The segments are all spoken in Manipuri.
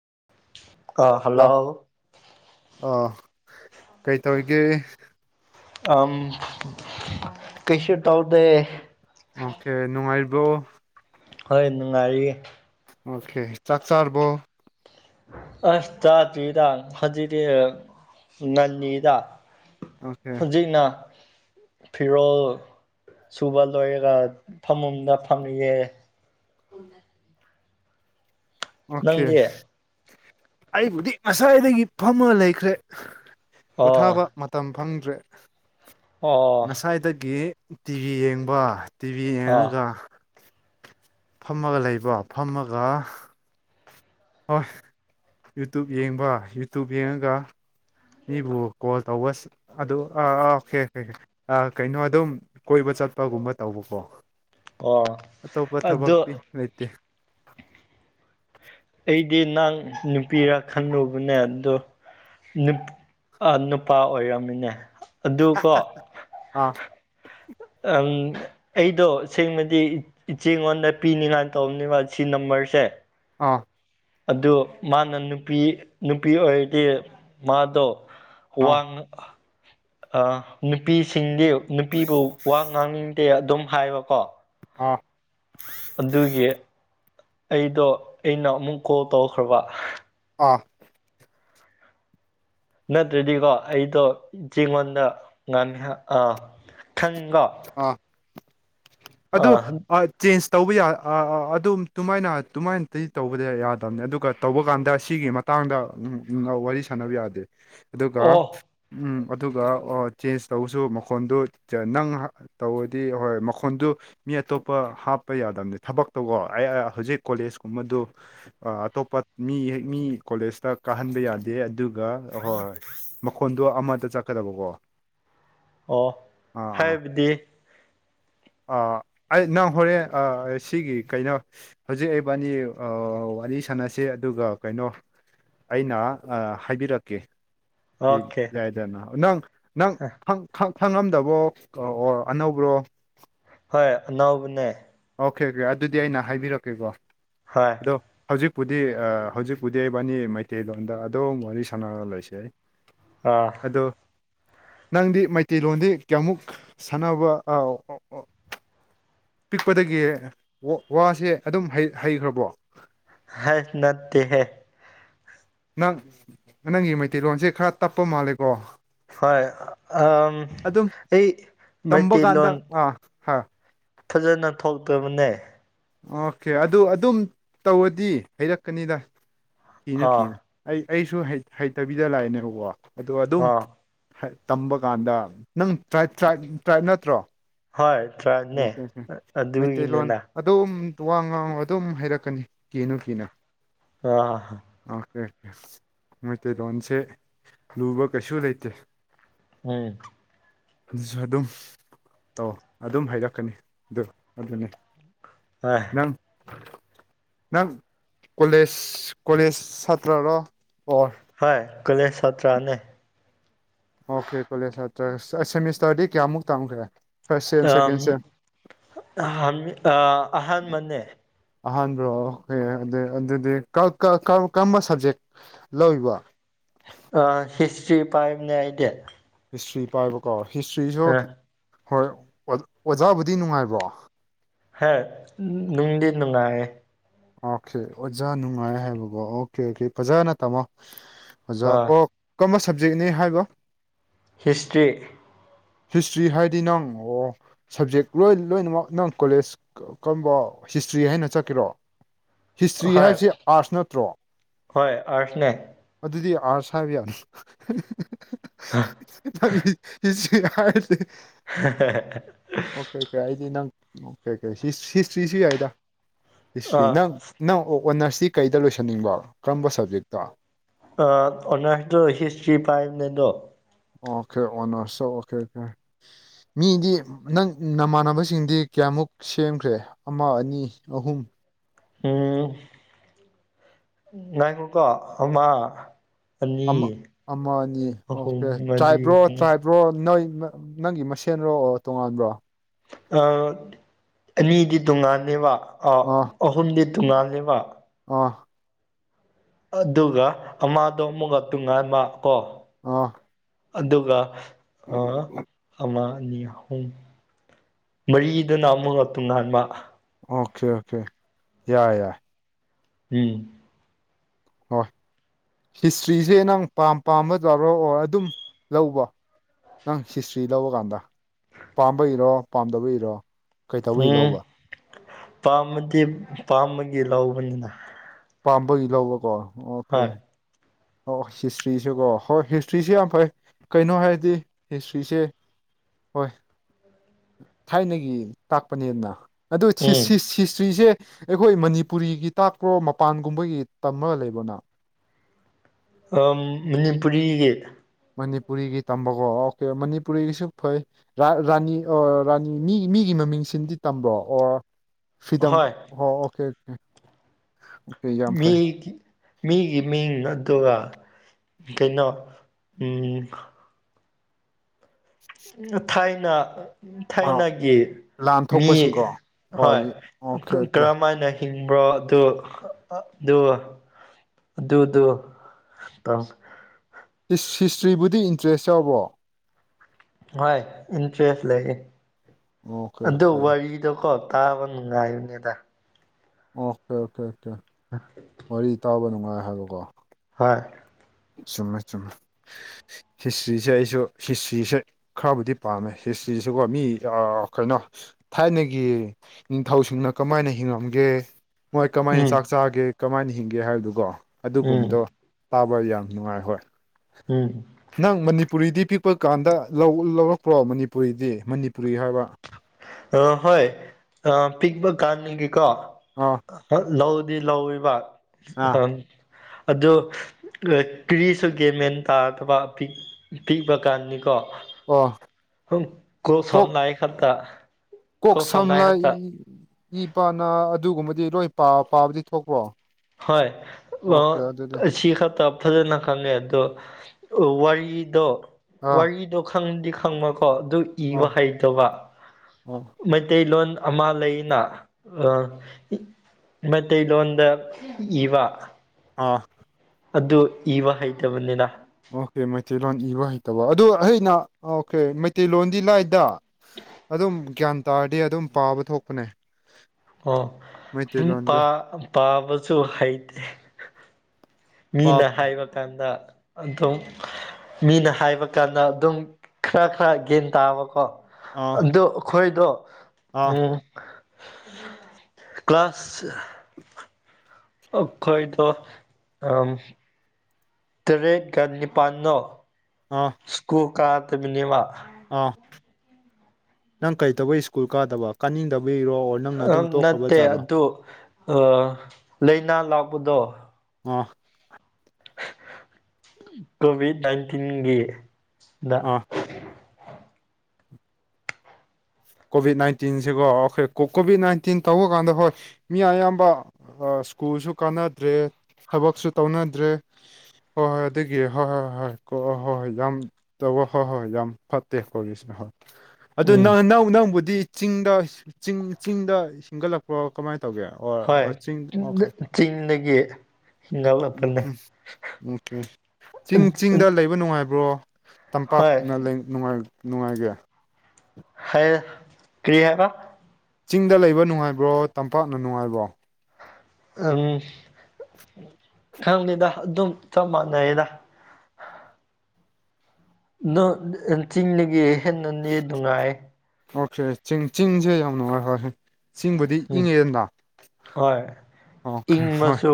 [unintelligible] ꯑ ꯍꯜꯂꯣ ꯑ ꯀꯩ ꯇꯧꯔꯤꯒꯦ ꯑꯃ ꯀꯩꯁꯨ ꯇꯧꯗꯦ ꯑꯣꯀꯦ ꯅꯨꯡꯉꯥꯏꯔꯤꯕ꯭ꯔꯣ ꯍꯣꯏ ꯅꯨꯡꯉꯥꯏꯔꯤ ꯑꯣꯀꯦ ꯆꯥꯛ ꯆꯥꯔꯕꯣ ꯑꯁ ꯆꯥꯗ꯭ꯔꯤꯗ ꯍꯧꯖꯤꯛꯇꯤ ꯉꯟꯅꯤꯗ ꯑꯣꯀꯦ ꯍꯧꯖꯤꯛꯅ ꯐꯤꯔꯣꯜ ꯁꯨꯕ ꯂꯣꯏꯔꯒ ꯐꯝꯃꯨꯛꯗ ꯐꯝꯃꯤꯌꯦ ꯑꯣꯀꯦ ꯅꯪꯗꯤ ꯑꯩꯕꯨꯗꯤ ꯉꯁꯥꯏꯗꯒꯤ ꯐꯝꯃ ꯂꯩꯈ꯭ꯔꯦ ꯑꯣ ꯄꯣꯊꯥꯕ ꯃꯇꯝ ꯐꯪꯗ꯭ꯔꯦ ꯑꯣ ꯉꯁꯥꯏꯗꯒꯤ ꯇꯤꯚꯤ ꯌꯦꯡꯕ ꯇꯤꯚꯤ ꯑꯣ ꯌꯦꯡꯉꯒ ꯐꯝꯃꯒ ꯂꯩꯕ꯭ꯔꯣ ꯐꯝꯃꯒ [unintelligible] ꯌꯨꯇꯨꯞ ꯌꯦꯡꯕ ꯌꯨꯇꯨꯞ ꯌꯦꯡꯉꯒ ꯃꯤꯕꯨ ꯀꯣꯜ ꯇꯧꯕꯁ ꯑꯗꯨ ꯑꯥ ꯑꯥ ꯐꯦꯛ ꯀꯩꯅꯣ ꯑꯗꯨꯝ ꯀꯣꯏꯕ ꯆꯠꯄꯒꯨꯝꯕ ꯇꯧꯕꯀꯣ ꯑꯣ ꯑꯇꯣꯞ ꯑꯗꯣ ꯀꯊꯕꯇꯤ ꯂꯩꯇꯦ ꯑꯩꯗꯤ ꯅꯪ ꯅꯨꯄꯤꯔ ꯈꯜꯂꯨꯕꯅꯦ ꯑꯗꯨ ꯅꯨꯄꯥ ꯅꯨꯄꯥ ꯑꯣꯏꯔꯝꯃꯤꯅꯦ ꯑꯗꯨꯀꯣ ꯑꯥ ꯑꯪ ꯑꯩꯗꯣ ꯁꯦꯡꯅꯗꯤ ꯏꯆꯦꯉꯣꯟꯗ ꯄꯤꯅꯤꯉꯥꯏꯅ ꯇꯧꯕꯅꯦꯕ ꯁꯤ ꯅꯝꯕꯔꯁꯦ ꯑꯥ ꯑꯗꯨ ꯃꯥꯅ ꯅꯨꯄꯤ ꯅꯨꯄꯤ ꯑꯣꯏꯔꯗꯤ ꯃꯥꯗꯣ ꯑꯥ ꯋꯥꯡ ꯑꯅꯨꯄꯤꯁꯤꯡꯗꯤ ꯅꯨꯄꯤꯕꯨ ꯋꯥ ꯉꯥꯡꯅꯤꯡ ꯇꯦ ꯑꯗꯨꯝ ꯍꯥꯏꯕꯀꯣ ꯑꯥ ꯑꯗꯨꯒꯤ ꯑꯩꯗꯣ ꯑꯩꯅ ꯑꯃꯨꯛ ꯀꯣꯜ ꯇꯧꯈ꯭ꯔꯕ ꯑꯥ ꯅꯠꯇ꯭ꯔꯗꯤꯀꯣ ꯑꯩꯗꯣ ꯆꯦꯉꯣꯟꯗ ꯉꯥꯡꯅꯤ ꯑꯥ ꯒꯪꯒꯣ ꯑꯥ ꯑꯗꯨ ꯑ ꯆꯦꯟꯖ ꯇꯧꯕ ꯌꯥ ꯑ ꯑꯗꯨꯝ ꯇꯨꯃꯥꯏꯅ ꯇꯨꯃꯥꯏꯅꯠꯇ꯭ꯔꯗꯤ ꯇꯧꯕꯗ ꯌꯥꯗꯕꯅꯤ ꯑꯗꯨꯒ ꯇꯧꯕ ꯀꯥꯟꯗ ꯁꯤꯒꯤ ꯃꯇꯥꯡ ꯃꯇꯥꯡꯗ [unintelligible] ꯋꯥꯔꯤ ꯁꯥꯟꯅꯕ ꯌꯥꯗꯦ ꯑꯗꯨꯒ ꯑꯣ ꯎꯝ ꯑꯗꯨꯒ ꯆꯦꯟꯖ ꯇꯧꯕꯁꯨ ꯃꯈꯣꯟꯗꯨ ꯆ ꯅꯪ ꯍ ꯇꯧꯔꯗꯤ ꯍꯣꯏ ꯃꯈꯣꯟꯗꯨ ꯃꯤ ꯑꯇꯣꯞꯄ ꯍꯥꯞꯄ ꯌꯥꯗꯕꯅꯤ ꯊꯕꯛꯇꯣꯀꯣ [unintelligible] ꯍꯧꯖꯤꯛ ꯀꯣꯂꯦꯖ ꯀꯨꯝꯕꯗꯨ ꯑ ꯑꯇꯣꯞꯄ ꯃꯤ ꯃꯤ ꯀꯣꯂꯦꯖꯇ ꯀꯥꯍꯟꯕ ꯌꯥꯗꯦ ꯑꯗꯨꯒ ꯍꯣꯏ ꯍꯣꯏ ꯃꯈꯣꯟꯗꯣ ꯑꯃꯗ ꯆꯠꯀꯗꯕꯀꯣ ꯑꯣ ꯍꯥꯏꯕꯗꯤ ꯑ ꯑꯩ ꯅꯪ ꯍꯣꯔꯦꯟ ꯁꯤꯒꯤ ꯀꯩꯅꯣ ꯍꯧꯖꯤꯛ ꯑꯩꯕꯥꯅꯤ ꯑ ꯋꯥꯔꯤ ꯁꯥꯟꯅꯁꯦ ꯑꯗꯨꯒ ꯀꯩꯅꯣ ꯑꯩꯅ ꯑ ꯍꯥꯏꯕꯤꯔꯛꯀꯦ ꯗꯤ ꯑꯣꯀꯦ ꯌꯥꯏꯗꯅ ꯅꯪ ꯅꯪꯪ ꯈꯪ ꯈꯪ ꯈꯪꯉꯝꯗꯕꯣ ꯑꯣꯔ ꯑꯅꯧꯕ꯭ꯔꯣ ꯍꯣꯏ ꯑꯅꯧꯕꯅꯦ ꯑꯣꯀꯦ ꯑꯣꯀꯦ ꯑꯗꯨꯗꯤ ꯑꯩꯅ ꯍꯥꯏꯕꯤꯔꯛꯀꯦꯀꯣ ꯍꯣꯏ ꯑꯗꯣ ꯍꯧꯖꯤꯛ ꯄꯨꯗꯤ ꯍꯧꯖꯤꯛꯄꯨꯗꯤ ꯑꯩꯕꯥꯅꯤ ꯃꯩꯇꯩꯂꯣꯟꯗ ꯑꯗꯨꯝ ꯋꯥꯔꯤ ꯁꯥꯟꯅꯔ ꯂꯣꯏꯁꯦ ꯑꯥ ꯅꯪꯗꯤ ꯃꯩꯇꯩꯔꯣꯟꯗꯤ ꯀꯌꯥꯃꯨꯛ ꯁꯥꯟꯅꯕ ꯑ ꯑ ꯄꯤꯛꯄꯗꯒꯤ ꯋꯥ ꯋꯥꯁꯦ ꯑꯗꯨꯝ ꯍꯩ ꯍꯩꯈ꯭ꯔꯕꯣ ꯍꯩ ꯅꯠꯇꯦ ꯍꯦ ꯅꯪ ꯅꯪꯒꯤ ꯃꯩꯇꯩꯂꯣꯟꯁꯦ ꯈꯔ ꯇꯞꯄ ꯃꯥꯜꯂꯦꯀꯣ ꯍꯣꯏ ꯑꯝ ꯑꯗꯨꯝ ꯑꯩ ꯇꯝꯕ ꯀꯥꯟꯗ ꯃꯩꯇꯩꯂꯣꯟ ꯑꯥ ꯍꯥꯥ ꯐꯖꯅ ꯊꯣꯛꯇꯕꯅꯦ ꯑꯣꯀꯦ ꯑꯗꯨ ꯑꯗꯨꯝ ꯇꯧꯔꯗꯤ ꯍꯩꯔꯛꯀꯅꯤꯗ ꯀꯤꯅꯨ ꯑꯥ ꯀꯤꯅꯨ ꯑꯩ ꯑꯩꯁꯨ ꯍꯩꯇꯕꯤꯗ ꯂꯥꯛꯑꯏꯦꯅꯦꯕꯀꯣ ꯑꯗꯣ ꯑꯗꯨꯝ ꯑꯥ ꯍꯩ ꯇꯝꯕ ꯀꯥꯟꯗ ꯅꯪ ꯇ꯭ꯔꯥꯏꯞ ꯇ꯭ꯔꯥꯏꯞ ꯇ꯭ꯔꯥꯏꯞ ꯅꯠꯇ꯭ꯔꯣ ꯍꯣꯏ ꯇ꯭ꯔꯥꯏꯞꯅꯦ ꯑꯣꯀꯦ ꯑꯣꯀꯦ ꯃꯩꯇꯩ ꯂꯣꯟ ꯑꯗꯨꯒꯤꯅꯤꯅ ꯑꯗꯨꯝ ꯋꯥ ꯉꯥꯡꯉꯣ ꯑꯗꯨꯝ ꯍꯩꯔꯛꯀꯅꯤ ꯀꯤꯅꯨꯨ ꯀꯤꯅꯨ ꯑ ꯑꯦ ꯃꯩꯇꯩꯂꯣꯟꯁꯦ ꯂꯨꯕ ꯀꯩꯁꯨ ꯂꯩꯇꯦ ꯎꯝ ꯑꯗꯨꯁꯨꯑꯗꯨꯝ ꯇꯧ ꯑꯗꯨꯝꯍꯩꯔꯛꯀꯅꯤ ꯑꯗꯨ ꯑꯗꯨꯅꯦ INAUDIBLE ꯅꯪ ꯀꯣꯂꯦꯖꯁ ꯀꯣꯂꯦꯖꯁ ꯁꯥꯇ꯭ꯔꯔꯣ ꯑꯣ ꯍꯥꯏ ꯀꯣꯂꯦꯖꯪꯪꯪꯪꯪ ꯁꯥꯇ꯭ꯔꯅꯦ ꯑꯣꯀꯦ ꯀꯣꯂꯦꯖ꯭-ꯁꯇ꯭ꯔꯥ ꯁꯥꯁꯦꯃꯤꯁꯇꯔꯗꯤ ꯀꯌꯥꯃꯨꯛ ꯇꯝꯈ꯭ꯔꯦ ꯐꯥꯔꯁ ꯁꯦꯝ ꯁꯦꯀꯦꯟ ꯁꯦꯝ UNINTELLIGIBLE ꯑꯍꯥꯟꯕ꯭ꯔꯣꯑꯣ ꯑꯗꯨ ꯑꯗꯨꯗꯤ ꯀꯔꯝ ꯀꯔꯝꯕ ꯁꯕꯖꯦꯛ ꯂꯧꯢꯕꯣ UNINTELLIGIBLE ꯄꯥꯏꯕꯀꯣ ꯍꯤꯁꯇ꯭꯭ꯔꯤꯖꯨ ꯍꯣꯏ ꯑꯣꯖꯥꯕꯨꯗꯤ ꯅꯨꯡꯉꯥꯏꯀꯣ ꯍꯦ ꯅꯨꯡꯗꯤ-ꯅꯨꯡꯉꯥꯏꯌꯦ ꯑꯣꯀꯦ ꯑꯣꯖꯥ ꯅꯨꯡꯉꯥꯏ ꯍꯥꯏꯕꯀꯣ ꯑꯣꯀꯦ ꯑꯣꯀꯦ ꯐꯖꯅ ꯇꯝꯃꯣ ꯑꯣꯖꯥ ꯍꯣꯏ ꯑꯣ ꯀꯝꯕ ꯁꯕꯖꯦꯛꯅꯦ ꯍꯥꯏꯕꯥ ꯍꯤꯁꯇ꯭ꯔꯤ ꯍꯤꯁꯇ꯭ꯔꯤ ꯍꯥꯏꯔꯗꯤ ꯅꯪ ꯑꯣꯑꯣ ꯁꯕꯖꯦꯛ ꯂꯣꯏ ꯂꯣꯏꯅꯃꯛ ꯅꯪ ꯀꯣꯂꯦꯖ ꯀꯝꯕ ꯍꯤꯁꯇ꯭ꯔꯤ ꯍꯥꯏꯅ ꯆꯠꯀꯦꯔꯣ ꯍꯤꯁꯇ꯭ꯔꯤ ꯍꯣꯏ ꯍꯥꯏꯕꯁꯤ ꯑꯥꯔꯠꯁ ꯅꯠꯇ꯭ꯔꯣ ꯍꯣꯏ ꯑꯥꯔꯠꯁꯅꯦ ꯑꯗꯨꯗꯤ UNINTELLIGIBLE ꯑꯣꯀꯦ ꯑꯣꯀꯦ ꯑꯩꯗꯤ ꯅꯪ ꯑꯣꯀꯦ ꯑꯣꯀꯦ ꯍꯤꯁꯇ꯭ꯔꯤꯖꯨ ꯌꯥꯏꯗ ꯍꯤꯁꯇ꯭ꯔꯤ ꯅꯪ ꯑꯥ ꯅꯪ ꯑꯣ ꯑꯣꯅꯔꯁ ꯇꯤ ꯀꯩꯗ ꯂꯣꯏꯁꯟꯅꯤꯡꯕ ꯀꯔꯝꯕ ꯁꯕꯖꯦꯛꯇꯥ ꯑꯥ ꯑꯣꯅꯔꯁꯇꯨ ꯍꯤꯁꯇ꯭ꯔꯤ ꯄꯥꯏꯝꯅꯦ ꯑꯗꯣ ꯑꯣꯀꯦ ꯑꯣꯅꯔꯁ ꯑꯣꯀꯦꯑꯣꯀꯦ ꯃꯤꯗꯤ ꯅꯪ ꯅꯃꯥꯟꯅꯕꯁꯤꯡꯗꯤ ꯀꯌꯥꯃꯨꯛꯁꯦꯝꯈ꯭ꯔꯦ ꯑꯃ ꯑꯅꯤ ꯑꯍꯨꯝ ꯎꯪꯎꯪ ꯉꯥꯢꯈꯣꯀꯣ ꯑꯝꯃꯥ ꯑꯃꯛ ꯑꯃ ꯑꯅꯤ ꯑꯣꯀꯦ ꯃꯔꯤ ꯇ꯭ꯔꯥꯏꯕ꯭ꯔꯣ ꯃꯉꯥ ꯇ꯭ꯔꯥꯏꯕ꯭ꯔꯣ ꯅꯣꯏ ꯅꯪ ꯅꯪꯒꯤ ꯃꯁꯦꯟꯔꯣ ꯑꯣ ꯇꯣꯉꯥꯟꯕ꯭ꯔꯣ ꯑꯥ ꯑꯅꯤꯗꯤ ꯇꯣꯉꯥꯜꯂꯦꯕ ꯑꯥ ꯑꯍꯨꯝꯗꯤ ꯇꯣꯡꯉꯥꯜꯂꯦꯕ ꯑꯣ ꯑꯗꯨꯒ ꯑꯃꯥꯗꯣ ꯑꯃꯨꯛꯒ ꯇꯣꯡꯉꯥꯟꯕ ꯑꯣ ꯑꯗꯨꯒ ꯑꯥ ꯑꯃ ꯑꯅꯤꯍꯨꯝ ꯃꯔꯤꯗꯨꯅ ꯑꯃꯨꯛꯀꯥ ꯇꯣꯡꯉꯥꯟꯕ ꯑꯣꯀꯦ- ꯑꯣꯀꯦ ꯌꯥꯏ- ꯌꯥꯏ ꯎꯪꯝ ꯍꯣꯏ ꯍꯤꯁꯇ꯭ꯔꯤꯖꯦ ꯅꯪ ꯄꯥꯝ- ꯄꯥꯝꯃꯗ꯭ꯔꯣ ꯂꯧꯔꯣ ꯑꯣ ꯑꯗꯨꯝ ꯂꯧꯕ ꯅꯪ ꯍꯤꯁꯇ꯭ꯔꯤ ꯂꯧꯕ ꯀꯥꯟꯗ ꯄꯥꯝꯕꯩꯔꯣ- ꯄꯥꯝꯗꯕꯩ ꯏꯔꯣ ꯀꯩꯇꯧꯕꯩ ꯎꯝ ꯂꯧꯕ ꯄꯥꯝꯃꯗꯤ- ꯄꯥꯝꯕꯒꯤ ꯂꯧꯕꯅꯤꯅ ꯄꯥꯝꯕꯒꯤ ꯂꯧꯕꯀꯣ ꯑꯣꯀꯦ ꯍꯣꯏ ꯑꯣ ꯍꯤꯁꯇ꯭ꯔꯤꯖꯨꯀꯣ ꯍꯣꯏ ꯍꯤꯁꯇ꯭ꯔꯤꯖꯨꯌꯥꯝ ꯐꯩ ꯀꯩꯅꯣ ꯍꯥꯏꯔꯗꯤ ꯍꯤꯁꯇ꯭ꯔꯤꯖꯦ ꯍꯣꯏ ꯊꯥꯏꯅꯒꯤ ꯇꯥꯛꯄꯅꯤꯗꯅ ꯑꯗꯨ ꯁꯤ ꯎꯝ ꯍꯤꯁꯇ꯭ꯔꯤꯖꯦ ꯑꯩꯈꯣꯏ ꯃꯅꯤꯄꯨꯔꯤꯒꯤ ꯇꯥꯛꯄ꯭ꯔꯣ ꯃꯄꯥꯟꯒꯨꯝꯕꯒꯤ ꯇꯝꯃꯒ ꯂꯩꯕꯅ ꯑꯥ ꯃꯅꯤꯄꯨꯔꯤꯒꯤ ꯃꯅꯤꯄꯨꯔꯤꯒꯤ ꯇꯝꯕꯀꯣ ꯑꯀꯦ ꯃꯅꯤꯄꯨꯔꯤꯒꯤꯁꯨ ꯐꯩ ꯔꯥ ꯔꯥꯅꯤ ꯑ ꯔꯥꯅꯤ ꯃꯤ ꯃꯤꯒꯤ [unintelligible] ꯃꯤꯡꯁꯤꯡꯗꯤ ꯇꯝꯕ꯭ꯔꯣ ꯑꯣꯔ ꯐꯤꯗꯝ ꯍꯣꯏ ꯑꯣ ꯑꯣꯀꯦ ꯑꯣꯀꯦ ꯌꯥꯝ ꯐꯩ ꯃꯤꯒꯤ ꯃꯤꯒꯤ ꯃꯤ ꯑꯗꯨꯒ ꯀꯩꯅꯣ ꯎꯝ ꯊꯥꯏꯅꯥ ꯑꯣ ꯊꯥꯏꯅꯒꯤ ꯂꯥꯟ ꯃꯤ ꯊꯣꯛꯄꯁꯤꯡꯀꯣ ꯑꯣ ꯍꯣꯏ ꯑꯣꯀꯦ ꯑꯣꯀꯦ ꯀꯔꯝꯃꯥꯏꯅ ꯍꯤꯡꯕ꯭ꯔꯣ ꯑꯗꯨ ꯑꯗꯨ ꯑꯗꯨꯗꯨ ꯇꯝ ꯍꯤꯁ ꯍꯤꯁꯇ꯭ꯔꯤꯕꯨꯗꯤ ꯏꯟꯇ꯭ꯔꯦꯁ ꯌꯥꯎꯕ꯭ꯔꯣ ꯍꯣꯏ ꯏꯟꯇ꯭ꯔꯦꯁ ꯂꯩꯌꯦ ꯑꯣꯀꯦ ꯑꯗꯨ ꯑꯣꯀꯦ ꯋꯥꯔꯤꯗꯣ ꯀꯣ ꯇꯥꯕ ꯅꯨꯡꯉꯥꯕꯅꯦꯗ ꯑꯣꯀꯦ ꯑꯣꯀꯦ ꯑꯣꯀꯦ ꯋꯥꯔꯤ ꯇꯥꯕ ꯅꯨꯡꯉꯥꯏ ꯍꯥꯏꯕꯀꯣ ꯍ ꯆꯨꯝꯃꯦ ꯆꯨꯝꯃꯦ ꯍꯤꯁꯇ꯭ꯔꯤꯖꯦ ꯑꯩꯁꯨ ꯍꯤꯁꯇ꯭ꯔꯤꯖꯦ ꯈꯔꯕꯨꯗꯤ ꯄꯥꯝꯃꯦ ꯍꯤꯁꯇ꯭ꯔꯤ ꯖꯦ ꯀꯣ ꯃꯤ ꯀꯩꯅꯣ ꯊꯥꯏꯅꯒꯤ ꯅꯤꯡꯊꯧꯁꯤꯡꯅ ꯀꯃꯥꯏꯅ ꯍꯤꯡꯉꯝꯒꯦ ꯃꯣꯏ ꯀꯃꯥꯏꯅ ꯎꯝ ꯆꯥꯛ ꯆꯥꯒꯦ ꯀꯃꯥꯏꯅ ꯍꯤꯡꯒꯦ ꯍꯥꯏꯕꯗꯨꯀꯣ ꯎꯝ ꯑꯗꯨꯒꯨꯝꯕꯗꯣ ꯇꯥꯕ ꯌꯥꯝ ꯅꯨꯡꯉꯥꯏ ꯍꯣꯏ ꯎꯝ ꯅꯪ ꯃꯅꯤꯄꯨꯔꯤꯗꯤ ꯄꯤꯛꯄ ꯀꯥꯟꯗ ꯂꯧꯔꯛꯄ꯭ꯔꯣ ꯃꯅꯤꯄꯨꯔꯤꯗꯤ ꯃꯅꯤꯄꯨꯔꯤ ꯍꯥꯏꯕ ꯑ ꯍꯣꯏ ꯑ ꯄꯤꯛꯄ ꯀꯥꯟꯅꯤꯒꯤꯀꯣ ꯑꯥ ꯂꯧ ꯗꯤ ꯂꯧꯋꯦꯕ ꯑꯥ ꯑꯗꯨ ꯀ꯭ꯔꯤꯁꯨ ꯒ꯭ꯌꯥꯟꯃꯦꯟ ꯇꯥꯗꯕ ꯄꯤꯛ ꯄꯤꯛꯄ ꯀꯥꯟꯅꯤꯀꯣ ꯑꯣ ꯍ ꯀꯣꯛ ꯁꯝ ꯂꯥꯏ ꯈꯛꯇ ꯀꯣꯛ ꯁꯝ ꯁꯝꯅꯥꯏ ꯂꯥꯏ ꯈꯛꯇ ꯏ ꯄꯥ ꯅ ꯑꯗꯨꯒꯨꯝꯕꯗꯤ ꯂꯣꯏ ꯄꯥ ꯄꯥꯕꯗꯤ ꯊꯣꯛꯄ꯭ꯔꯣ ꯍꯣꯏ ꯑ ꯑꯣꯀꯦ ꯑꯗꯨꯗꯤ ꯑꯁꯤ ꯈꯛꯇ ꯐꯖꯅ ꯈꯪꯉꯦ ꯑꯗꯨ ꯋꯥꯔꯤꯗꯣ ꯑꯥ ꯋꯥꯔꯤꯗꯣ ꯈꯪꯗꯤ ꯈꯪꯕ ꯀꯣ ꯑꯗꯨ ꯑꯣ ꯏꯕ ꯍꯩꯇꯕ ꯑꯣ ꯃꯩꯇꯩꯂꯣꯟ ꯑꯃ ꯂꯩꯅ ꯑ ꯏ ꯃꯩꯇꯩꯂꯣꯟꯗ ꯏꯕ ꯑꯥ ꯑꯗꯨ ꯏꯕ ꯍꯩꯇꯕꯅꯤꯅ ꯇꯧꯕ ꯑꯗꯨ ꯑꯩꯅ ꯑꯣꯀꯦ ꯃꯩꯇꯩꯂꯣꯟꯗꯤ ꯂꯥꯏꯗ ꯑꯗꯨꯝ ꯒ꯭ꯌꯥꯟ ꯇꯥꯔꯗꯤ ꯑꯗꯨꯝ ꯄꯥꯕ ꯊꯣꯛꯄꯅꯦ ꯑꯣꯥ [unintelligible] ꯄꯥ ꯃꯩꯇꯩꯂꯣꯟꯗ ꯄꯥꯕꯁꯨ ꯍꯩꯇꯦ ꯃꯤꯅ ꯄꯥꯞ ꯍꯥꯏꯕ ꯀꯥꯟꯗ ꯑꯗꯨꯝ ꯃꯤꯅ ꯍꯥꯏꯕ ꯀꯥꯟꯗ ꯑꯗꯨꯝ ꯈꯔ ꯈꯔ ꯒꯦꯟ ꯇꯥꯕꯀꯣ ꯑꯥ ꯑꯗꯨ ꯑꯈꯣꯏꯗꯣ ꯑꯥ ꯎꯝ ꯀ꯭ꯂꯥꯁ ꯑꯈꯣꯏꯗꯣ ꯑꯝ ꯇꯔꯦꯠꯀ ꯅꯤꯄꯥꯟꯗꯣ ꯑꯥ [unintelligible] ꯀꯥꯗꯕꯤꯅꯦꯕ ꯑꯥ ꯅꯪ ꯀꯩꯇꯧꯕꯩ ꯁ꯭ꯀꯨꯜ ꯀꯥꯗꯕ ꯀꯥꯅꯤꯡꯗꯕ ꯑ ꯅꯠꯇꯦ ꯑꯗꯨ ꯑꯥ ꯂꯥꯏꯅꯥ ꯂꯥꯛꯄꯗꯣ ꯑ ꯀꯣꯚꯤꯠ ꯅꯥꯏꯟꯇꯤꯟꯒꯤ ꯗ ꯑꯥ ꯀꯣꯚꯤꯠ ꯅꯥꯏꯟꯇꯤꯟꯁꯤꯀꯣ ꯑꯩꯈꯣꯏ ꯀꯣꯚꯤꯠ ꯅꯥꯏꯟꯇꯤꯟ ꯇꯧꯕ ꯀꯥꯟꯗ ꯍꯣꯏ ꯃꯤ ꯑꯌꯥꯝꯕ ꯁ꯭ꯀꯨꯜꯁꯨ ꯀꯥꯟꯅꯗ꯭ꯔꯦ ꯊꯕꯛꯁꯨ ꯇꯧꯅꯗ꯭ꯔꯦ ꯍꯣꯏ ꯍꯣꯏ ꯑꯗꯨꯒꯤ ꯍꯣꯏ ꯍꯣꯏ ꯍꯣꯏ ꯍꯣꯏ ꯍꯣꯏ ꯍꯣꯏ ꯌꯥꯝ ꯇꯧꯕ ꯍꯣꯏ ꯍꯣꯏ ꯌꯥꯝ ꯐꯠꯇꯦ ꯀꯧꯕꯤꯁꯤꯅ ꯍꯣꯏ ꯑꯗꯨ ꯎꯝ ꯅꯪ ꯅꯪ ꯅꯪꯕꯨꯗꯤ ꯆꯤꯡꯗ ꯆꯤꯡ ꯆꯤꯡꯗ ꯁꯤꯡꯒꯠꯂꯛꯄ꯭ꯔꯣ ꯀꯃꯥꯏ ꯇꯧꯒꯦ ꯑꯣꯔ ꯑꯣ ꯍꯣꯏ ꯆꯤꯡ ꯑꯣꯀꯦ ꯆꯤꯡꯗꯒꯤ ꯎꯝ ꯍꯤꯡꯒꯠꯂꯛꯄꯅꯦ ꯎꯝ ꯑꯣꯀꯦ ꯆꯤꯡ ꯆꯤꯡꯗ ꯂꯩꯕ ꯅꯨꯡꯉꯥꯏꯕ꯭ꯔꯣ ꯍꯣꯏ ꯇꯝꯄꯥꯛꯅ ꯂꯩ ꯅꯨꯡꯉꯥꯏ ꯅꯨꯡꯉꯥꯏꯒꯦ ꯍꯩ ꯀ꯭ꯔꯤ ꯍꯥꯏꯕ ꯆꯤꯡꯗ ꯂꯩꯕ ꯅꯨꯡꯉꯥꯏꯕ꯭ꯔꯣ ꯇꯝꯄꯥꯛꯅ ꯅꯨꯡꯉꯥꯏꯕ꯭ꯔꯣ ꯎꯝ ꯈꯪꯗꯦꯗ ꯑꯗꯨꯝ ꯆꯞ ꯃꯥꯟꯅꯩꯌꯦꯗ ꯍ ꯅ ꯆꯤꯡꯗꯒꯤ ꯍꯦꯟꯅ ꯅꯦ ꯅꯨꯡꯉꯥꯏ ꯑꯣꯀꯦ ꯆꯤꯡ ꯆꯤꯡꯁꯦ ꯌꯥꯝ ꯅꯨꯡꯉꯥꯏ ꯍꯣꯏ ꯍꯣꯢ ꯆꯤꯡꯕꯨꯗꯤ ꯎꯝ ꯏꯪꯉꯤꯗꯥ ꯍꯣꯏ ꯏꯪꯕꯁꯨ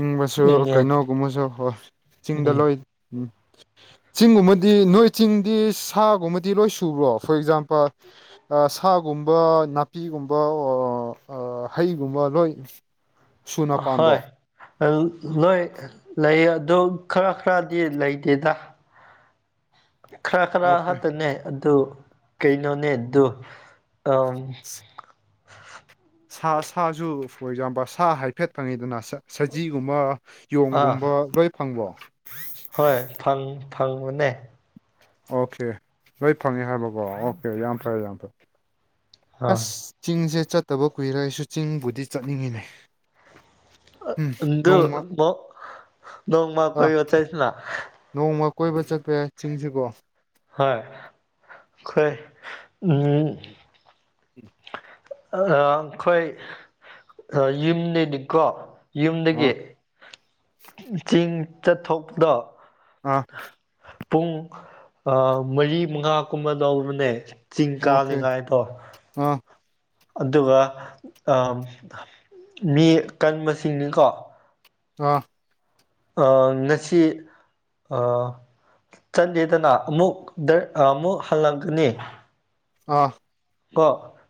ꯏꯪꯕꯁꯨ ꯏꯪꯉꯦ ꯀꯩꯅꯣꯒꯨꯝꯕꯁꯨ ꯍꯣꯏ ꯆꯤꯡꯗ ꯎꯝ ꯂꯣꯏ ꯎꯝ [inaudible] ꯆꯤꯡꯒꯨꯝꯕꯗꯤ ꯅꯣꯏ ꯆꯤꯡꯗꯤ ꯁꯥꯒꯨꯝꯕꯗꯤ ꯂꯣꯏ ꯁꯨꯕ꯭ꯔꯣ ꯐꯣꯔ ꯑꯦꯛꯖꯥꯝꯄꯜ ꯁꯥꯒꯨꯝ ꯒꯨꯝꯕ ꯅꯥꯄꯤꯒꯨꯝꯕ ꯑꯣꯔ ꯑꯥ ꯍꯩꯒꯨꯝꯕ ꯂꯣꯏ ꯁꯨꯅ ꯍꯣꯏ ꯄꯥꯟꯕ꯭ꯔꯣ ꯂꯣꯏ ꯂꯩ ꯑꯗꯨ ꯈꯔ ꯈꯔꯗꯤ ꯂꯩꯇꯦꯗ ꯈꯔ ꯈꯔ ꯑꯣꯀꯦ ꯍꯠꯇꯅꯦ ꯑꯗꯨ ꯀꯩꯅꯣꯅꯦ ꯑꯗꯨ ꯑꯝ ꯁꯥ ꯁꯥꯁꯨ ꯐꯣꯔ ꯑꯦꯛꯖꯥꯝꯄꯜ ꯁꯥ ꯍꯥꯏꯐꯦꯠ ꯐꯪꯉꯤꯗꯅ ꯁꯖꯤꯒꯨꯝꯕ ꯌꯣꯡꯒꯨꯝꯕ ꯂꯣꯏ ꯐꯪꯕ꯭ꯔꯣ ꯍꯣꯢ ꯐꯪ ꯐꯪꯕꯅꯦ ꯑꯣꯀꯦ ꯂꯣꯏ ꯐꯪꯉꯦ ꯍꯥꯏꯕꯀꯣ ꯑꯣꯀꯦ ꯌꯥꯝ ꯐꯔꯦ ꯌꯥꯝ ꯐꯔꯦ ꯑꯥ ꯑꯁ ꯆꯤꯡꯁꯦ ꯆꯠꯇꯕ ꯀꯨꯏꯔꯦ ꯑꯩꯁꯨ ꯆꯤꯡꯕꯨꯗꯤ ꯆꯠꯅꯤꯡꯉꯤꯅꯦ ꯑ ꯎꯝ ꯑꯟꯗꯨ ꯅꯣꯡꯃ ꯕꯣ ꯅꯣꯡꯃꯥ ꯑꯥ ꯀꯣꯏꯕ ꯆꯠꯁꯤꯅ ꯅꯣꯡꯃ ꯀꯣꯏꯕ ꯆꯠꯄ ꯌꯥꯏ ꯆꯤꯡꯁꯤꯀꯣ ꯍꯣꯏ ꯈꯣꯏ ꯎꯝ ꯎꯝ ꯑ ꯑꯈꯣꯏ ꯌꯨꯝꯅꯦꯅꯤꯀꯣ ꯌꯨꯝꯗꯒꯤ ꯑꯥ ꯆꯤꯡ ꯆꯠꯊꯣꯛꯄꯗꯣ ꯑꯥ ꯄꯨꯡ ꯃꯔꯤ ꯃꯉꯥ ꯀꯨꯝꯕ ꯂꯧꯕꯅꯦ ꯆꯤꯡ ꯑꯣꯀꯦ ꯀꯥꯕꯅꯤꯉꯥꯏꯗꯣ ꯑꯥ ꯑꯗꯨꯒ ꯃꯤ ꯀꯟꯕꯁꯤꯡꯅꯤꯀꯣ ꯑ ꯑ ꯉꯁꯤ ꯑ ꯆꯟꯗꯦꯗꯅ ꯑꯃꯨꯛ ꯑꯃꯨꯛ ꯍꯜꯂꯛꯒꯅꯤ ꯑꯥ ꯀꯣ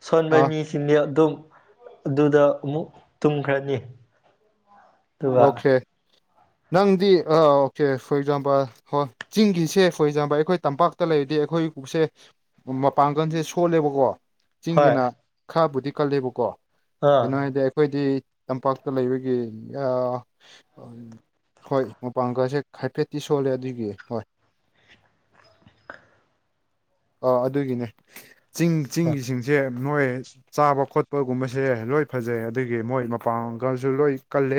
ꯁꯣꯟꯕ ꯑꯥ ꯃꯤꯁꯤꯡꯗꯤ ꯑꯗꯨꯝ ꯑꯗꯨꯗ ꯑꯃꯨꯛ ꯇꯨꯝꯈ꯭ꯔꯅꯤ ꯑꯗꯨꯒ ꯑꯣꯀꯦ ꯅꯪꯗꯤ ꯑꯣꯀꯦ ꯐꯣꯔ ꯑꯦꯛꯖꯥꯝꯄꯜ ꯍꯣꯏ ꯆꯤꯡꯒꯤꯁꯦ ꯐꯣꯔ ꯑꯦꯛꯖꯥꯝꯄꯜ ꯑꯩꯈꯣꯏ ꯇꯝꯄꯥꯛꯇ ꯂꯩꯔꯗꯤ ꯑꯩꯈꯣꯏꯁꯦ ꯃꯄꯥꯡꯒꯜꯁꯦ ꯁꯣꯜꯂꯦꯕꯀꯣ ꯍꯣꯏ ꯆꯤꯡꯒꯤꯅ ꯈꯔꯕꯨꯗꯤ ꯀꯜꯂꯦꯕꯀꯣ ꯑꯥ ꯀꯩꯅꯣ ꯍꯥꯏꯗꯤ ꯑꯩꯈꯣꯏꯗꯤ ꯇꯝꯄꯥꯛꯇ ꯂꯩꯕꯒꯤ ꯑꯥ ꯍꯣꯏ ꯃꯄꯥꯡꯒꯜꯁꯦ ꯍꯥꯏꯐꯦꯠꯇꯤ ꯁꯣꯜꯂꯦ ꯑꯗꯨꯒꯤ ꯍꯣꯏ [unintelligible] ꯑꯥ ꯑꯗꯨꯒꯤꯅꯦ ꯆꯤꯡ ꯆꯤꯡꯒꯤꯁꯤꯡꯁꯦ ꯃꯣꯏ ꯆꯥꯕ ꯈꯣꯠꯄꯒꯨꯝꯕꯁꯦ ꯂꯣꯏ ꯐꯖꯩ ꯑꯗꯨꯗꯒꯤ ꯃꯣꯏ ꯃꯄꯥꯡꯒꯜꯁꯨ ꯂꯣꯏ ꯀꯜꯂꯦ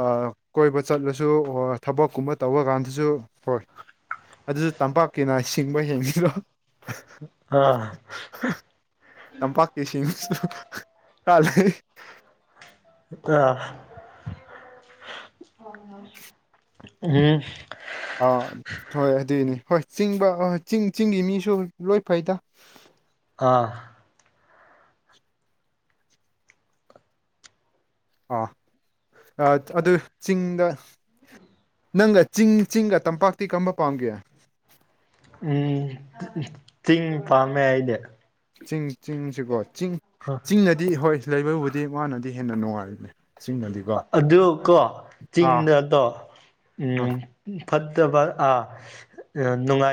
ꯑꯥ ꯀꯣꯏꯕ ꯆꯠꯂꯁꯨ ꯍ ꯊꯕꯛꯀꯨꯝꯕ ꯇꯧꯕ ꯀꯥꯟꯗꯁꯨ ꯍꯣꯏ ꯑꯗꯨꯁꯨ ꯇꯝꯄꯥꯛꯀꯤꯅ ꯁꯤꯡꯕ ꯍꯦꯟꯈꯤꯔꯣ ꯑꯥ ꯇꯝꯄꯥꯛꯀꯤꯁꯤꯡ [unintelligible] ꯑ ꯎꯝ ꯑꯥ ꯍꯣꯏ ꯑꯗꯨꯢꯅꯦ ꯍꯣꯏ ꯆꯤꯡꯕ ꯆꯤꯡ ꯆꯤꯡꯒꯤ ꯃꯤꯁꯨ ꯂꯣꯏ ꯐꯩꯗ ꯑꯥ ꯑꯥ ꯑꯗꯨ ꯆꯤꯡꯗ ꯅꯪꯒ ꯆꯤꯡ ꯆꯤꯡꯒ ꯇꯝꯄꯥꯛꯇꯤ ꯀꯝꯕ ꯄꯥꯝꯒꯦ ꯎꯝ ꯆꯤꯡ ꯄꯥꯝꯃꯦ ꯑꯩꯗꯤ ꯆꯤꯡ ꯆꯤꯡꯁꯤꯀꯣ ꯆꯤꯡ ꯆꯤꯡꯅꯗꯤ ꯍꯣꯏ ꯂꯩꯕꯕꯨꯗꯤ ꯃꯥꯅꯗꯤ ꯍꯦꯟꯅ ꯅꯨꯡꯉꯥꯏꯕꯅꯦ ꯆꯤꯡꯅꯗꯤꯀꯣ ꯑꯗꯨ ꯀꯣ ꯑꯥ ꯆꯤꯡꯗꯗꯣ ꯑ ꯎꯝ ꯐꯠꯇꯕ ꯑꯥ ꯅꯨꯡꯉꯥꯏ